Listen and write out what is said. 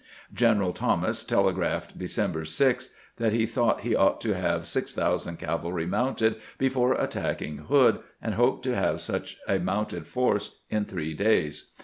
Gen eral Thomas telegraphed, December 6, that he thought he ought to have 6000 cavalry mounted before attacking Hood, and hoped to have such a mounted force in three days.